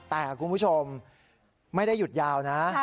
แต่คุณผู้ชมไม่ได้หยุดยาวนะ